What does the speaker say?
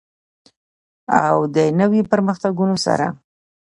او د نویو پرمختګونو سره.